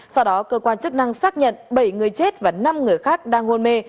sau đó cơ quan chức năng xác nhận bảy người chết và năm người khác đang hôn mê